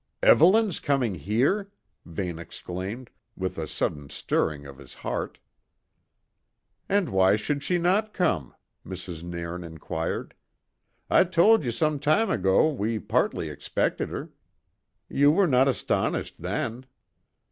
"Evelyn's coming here?" Vane exclaimed, with a sudden stirring of his heart. "And why should she not come?" Mrs. Nairn inquired. "I told ye some time ago that we partly expected her. Ye were na astonished then."